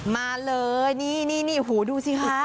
มาเลยนี่หูดูสิคะ